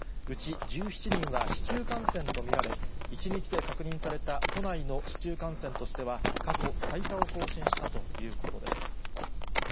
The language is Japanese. うち１７人は市中感染と見られ、１日で確認された都内の市中感染としては、過去最多を更新したということです。